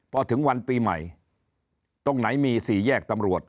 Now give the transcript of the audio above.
พอถึงวันปีใหม่ตรงไหนมีสี่แยกตำรวจ